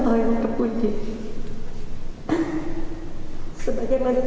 melakui bahwa yang saya lakukan tidak menjadi sebuah contoh yang terpuji